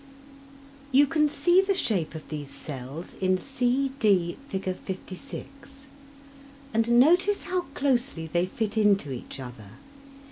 You can see the shape of these cells in c,d, Fig. 56, and notice how closely they fit into each other.